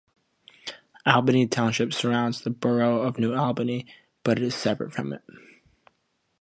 Albany Township surrounds the borough of New Albany but is separate from it.